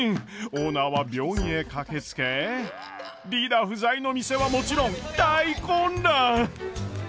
オーナーは病院へ駆けつけリーダー不在の店はもちろん大混乱！